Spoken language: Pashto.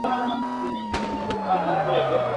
که جوار غنم سي بند اووه کلونه ..